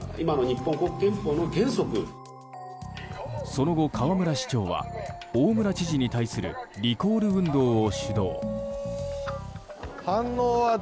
その後、河村市長は大村知事に対するリコール運動を主導。